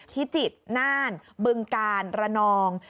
พิจิตรน่านบึงกาลระนอง